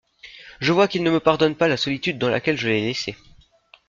Je vois qu'il ne me pardonne pas la solitude dans laquelle je l'ai laissé.